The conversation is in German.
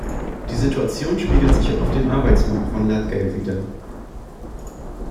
Die Situation spiegelt sich auch auf dem Arbeitsmarkt von Latgale wider.